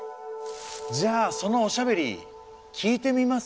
じゃあそのおしゃべり聞いてみます？